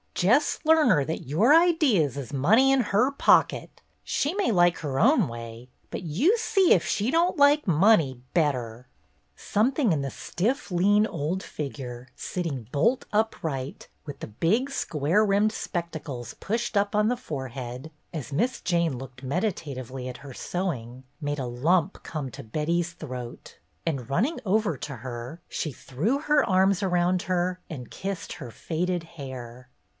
Jes' learn her that your idees is money in her pocket. She may like her own way, but you see if she don't like money better." Something in the stiff, lean old figure, sitting bolt upright, with the big square rimmed spectacles pushed up on the forehead as Miss Jane looked meditatively at her sewing, made a lump come to Betty's throat, and running over to her, she threw her arms around her and kissed her faded hair.